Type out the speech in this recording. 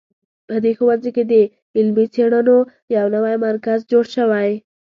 په دې ښوونځي کې د علمي څېړنو یو نوی مرکز جوړ شوی